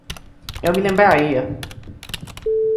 Eu me lembraria